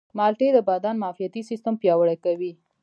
مالټې د بدن معافیتي سیستم پیاوړی کوي.